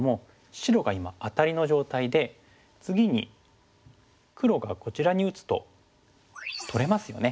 白が今アタリの状態で次に黒がこちらに打つと取れますよね。